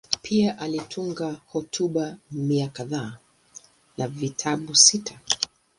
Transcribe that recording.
Pia alitunga hotuba mia kadhaa na vitabu sita.